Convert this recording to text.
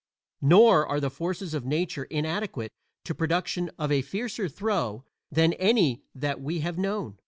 Nor are the forces of nature inadequate to production of a fiercer throe than any that we have known.